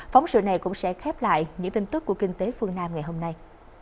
phóng sự này cũng sẽ khép lại những tin tức của kinh tế phương nam ngày hôm nay